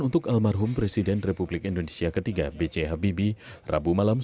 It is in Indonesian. di taman makam istri tercintanya hasri ainun habibie